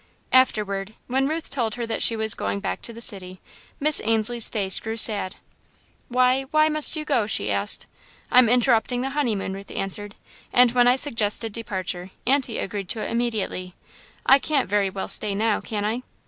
Afterward, when Ruth told her that she was going back to the city, Miss Ainslie's face grew sad. "Why why must you go?" she asked. "I'm interrupting the honeymoon," Ruth answered, "and when I suggested departure, Aunty agreed to it immediately. I can't very well stay now, can I?"